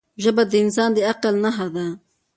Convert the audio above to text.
ژبه د انسان د عقل نښه ده